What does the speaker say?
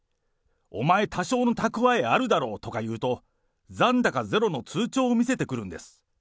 お前、多少の貯えあるだろうとか言うと、残高ゼロの通帳を見せてくるんです。